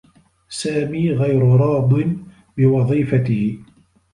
سامي غير راضٍ بوظيفته.